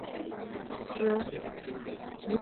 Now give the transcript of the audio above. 元代属朵甘宣慰司。